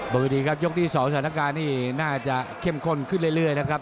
บนวิธีครับยกที่๒สถานการณ์นี้น่าจะเข้มข้นขึ้นเรื่อยนะครับ